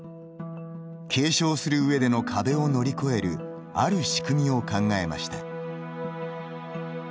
継承する上での壁を乗り越えるある仕組みを考えました。